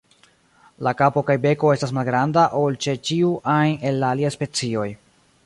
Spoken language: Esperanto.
La kapo kaj beko estas malgranda ol ĉe ĉiu ajn el la aliaj specioj.